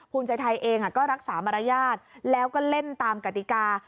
ภูมิใจไทยเองก็รักษามารยาทแล้วก็เล่นตามกติกา